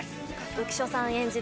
浮所さん演じる